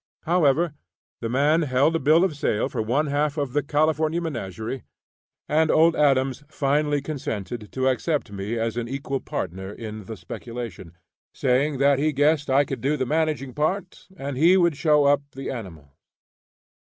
However, the man held a bill of sale for one half of the "California Menagerie," and Old Adams finally consented to accept me as an equal partner in the speculation, saying that he guessed I could do the managing part, and he would show up the animals.